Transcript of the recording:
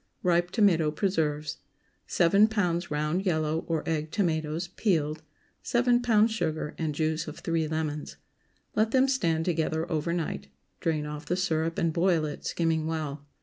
RIPE TOMATO PRESERVES. ✠ 7 lbs. round yellow, or egg tomatoes—peeled. 7 lbs. sugar, and juice of three lemons. Let them stand together over night. Drain off the syrup and boil it, skimming well.